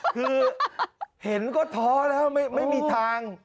คือเห็นก็ท้อแล้วไม่มีทาง